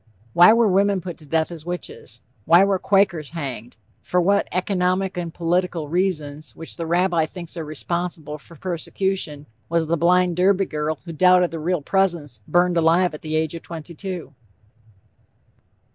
Why were women put to death as witches? Why were Quakers hanged? For what "economic and political reasons," which the Rabbi thinks are responsible for persecution, was the blind Derby girl who doubted the Real Presence, burned alive at the age of twenty two?